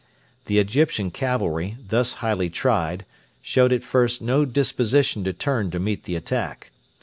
The Egyptian cavalry, thus highly tried, showed at first no disposition to turn to meet the attack.